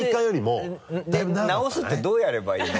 それで直すってどうやればいいの？